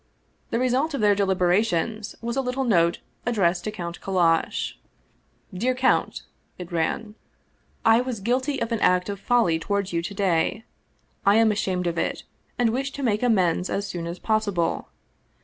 The result of their deliberations was a little note ad dressed to Count Kallash: " DEAR COUNT," it ran, " I was guilty of an act 'of folly toward you to day. I am ashamed of it, and wish to make amends as soon as possible.